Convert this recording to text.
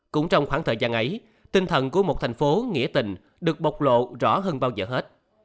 cũng trong khoảng thời gian ấy tinh thần của một thành phố nghĩa tình được bộc lộ rõ hơn bao giờ hết